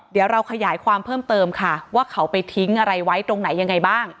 เดี๋ยวเราขยายความเพิ่มเติมค่ะว่าเขาไปทิ้งอะไรไว้ตรงไหนยังไงบ้าง